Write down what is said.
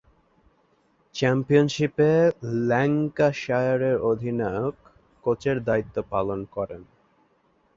চ্যাম্পিয়নশীপে ল্যাঙ্কাশায়ারের অধিনায়ক-কোচের দায়িত্ব পালন করেন।